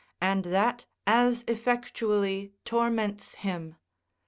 and that as effectually torments him.